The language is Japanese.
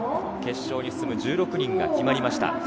決勝に進む１６人が決まりました。